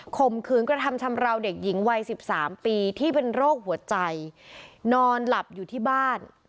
ข่มขืนกระทำชำราวเด็กหญิงวัย๑๓ปีที่เป็นโรคหัวใจนอนหลับอยู่ที่บ้าน